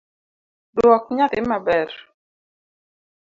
Duok nyathi maber